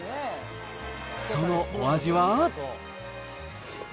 そのお味は？